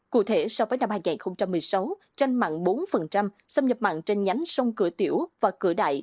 cụ thể so với năm hai nghìn một mươi sáu tranh mặn bốn xâm nhập mặn trên nhánh sông cửa tiểu và cửa đại